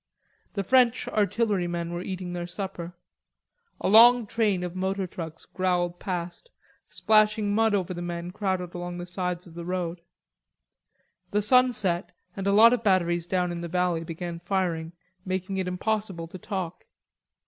The French artillerymen were eating their supper. A long train of motor trucks growled past, splashing mud over the men crowded along the sides of the road. The sun set, and a lot of batteries down in the valley began firing, making it impossible to talk.